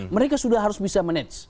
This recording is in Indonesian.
mereka sudah harus bisa manage